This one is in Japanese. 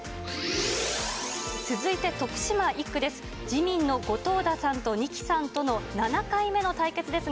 続いて徳島１区です。